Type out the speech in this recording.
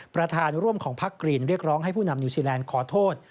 ประธานร่วมของพักกรีนเรียกร้องให้ผู้นำนิวซีแลนด์ขอโทษ